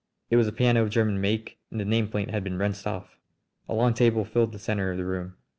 It was a piano of German make, and the nameplate had been wrenched off! A long table filled the centre of the room.